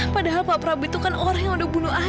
padahal pak prabu itu kan orang yang udah bunuh ayah